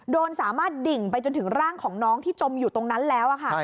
สามารถดิ่งไปจนถึงร่างของน้องที่จมอยู่ตรงนั้นแล้วค่ะ